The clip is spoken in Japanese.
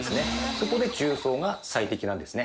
そこで重曹が最適なんですね。